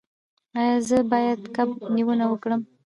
ایا زه باید کب نیونه وکړم؟